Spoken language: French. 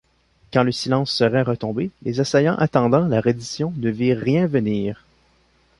Quand le silence serait retombé, les assaillants attendant la reddition ne virent rien venir.